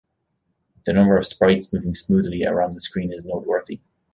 The number of sprites moving smoothly around the screen is noteworthy.